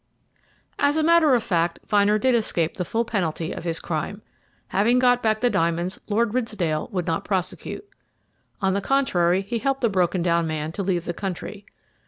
As a matter of fact, Vyner did escape the full penalty of his crime. Having got back the diamonds Lord Ridsdale would not prosecute. On the contrary, he helped the broken down man to leave the country.